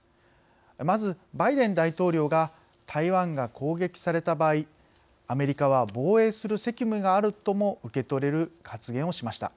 まずバイデン大統領が台湾が攻撃された場合アメリカは防衛する責務があるとも受け取れる発言をしました。